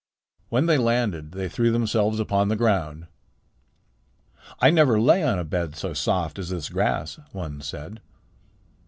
When they landed they threw themselves upon the ground. "I never lay on a bed so soft as this grass," one said.